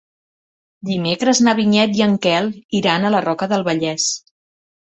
Dimecres na Vinyet i en Quel iran a la Roca del Vallès.